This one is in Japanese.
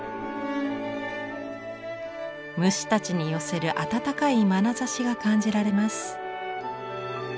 虫たちに寄せる温かいまなざしが感じられます。